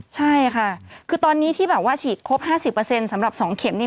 ใช่ค่ะคือตอนนี้ที่แบบว่าฉีดครบ๕๐สำหรับ๒เข็มนี่